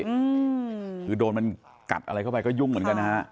อืมคือโดนมันกัดอะไรเข้าไปก็ยุ่งเหมือนกันนะฮะ